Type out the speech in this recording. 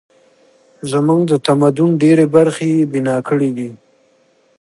زموږ د ننني تمدن ډېرې برخې یې بنا کړې دي.